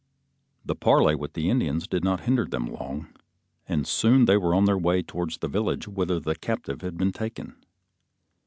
The parley with the Indians did not hinder them long, and soon they were on the way towards the village whither the captive had been taken.